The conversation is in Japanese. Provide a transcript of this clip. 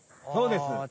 そうです。